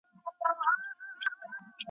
سوداګري د کلتورونو د لیږد سبب ګرځي.